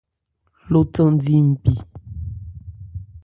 Lo thandi npi.